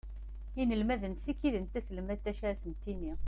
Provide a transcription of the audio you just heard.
Inelmaden sikiden taselmadt d acu ara sen-d-tini.